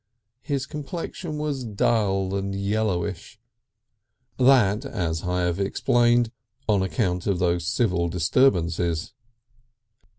His complexion was dull and yellowish. That, as I have explained, on account of those civil disturbances.